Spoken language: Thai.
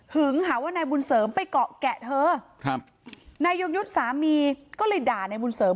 หาว่านายบุญเสริมไปเกาะแกะเธอครับนายยงยุทธ์สามีก็เลยด่านายบุญเสริม